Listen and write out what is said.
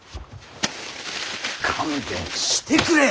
勘弁してくれ！